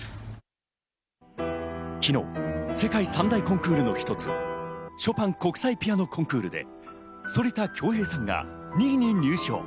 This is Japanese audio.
昨日、世界三大コンクールの一つ、ショパン国際ピアノ・コンクールで、反田恭平さんが２位に入賞。